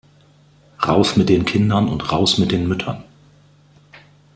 Raus mit den Kindern und raus mit den Müttern.